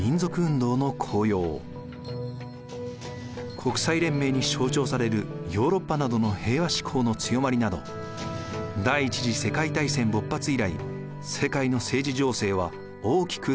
国際連盟に象徴されるヨーロッパなどの平和志向の強まりなど第一次世界大戦勃発以来世界の政治情勢は大きく変化しました。